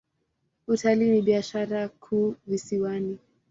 Utalii ni biashara kuu visiwani.